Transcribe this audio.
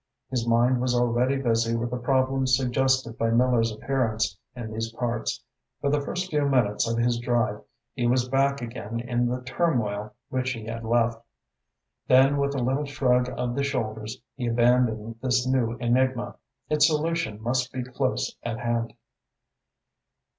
His mind was already busy with the problem suggested by Miller's appearance in these parts. For the first few minutes of his drive he was back again in the turmoil which he had left. Then with a little shrug of the shoulders he abandoned this new enigma. Its solution must be close at hand.